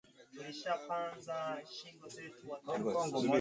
Maggie alikata kimya pindi alipofika kwenye karakana ile